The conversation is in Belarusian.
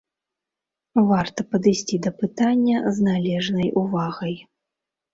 Варта падысці да пытання з належнай увагай.